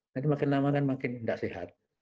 nanti makin lama kan makin tidak sehat